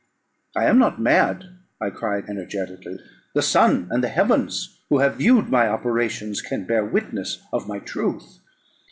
"I am not mad," I cried energetically; "the sun and the heavens, who have viewed my operations, can bear witness of my truth.